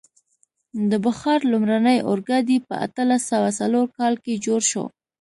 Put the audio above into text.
د بخار لومړنی اورګاډی په اتلس سوه څلور کال کې جوړ شو.